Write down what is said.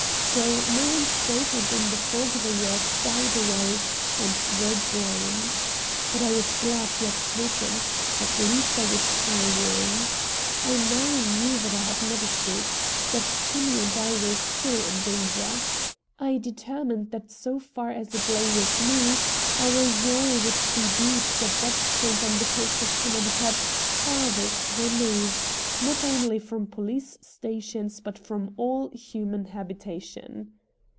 So no one spoke, and in the fog the words died away and were drowned. But I was glad he had spoken. At least I was forewarned. I now knew that I had not escaped, that Kinney and I were still in danger. I determined that so far as it lay with me, our yawl would be beached at that point on the coast of Connecticut farthest removed, not only from police stations, but from all human habitation.